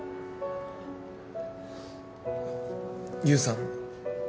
優さん。